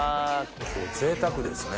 今日ぜいたくですね。